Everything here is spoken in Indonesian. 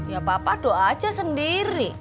ya papa doa aja sendiri